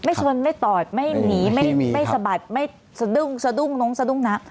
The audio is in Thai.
ไม่สะบัดไม่ตอดไม่หนีไม่สะบัดไม่สะดุ้งสะดุ้งน้ำ